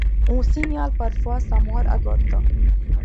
On signale parfois sa mort à Gotha.